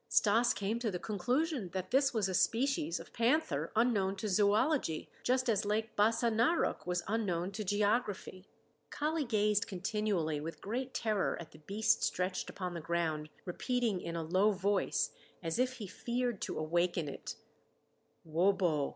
Stas came to the conclusion that this was a species of panther unknown to zoölogy, just as Lake Bassa Narok was unknown to geography. Kali gazed continually with great terror at the beast stretched upon the ground, repeating in a low voice, as if he feared to awaken it: "Wobo!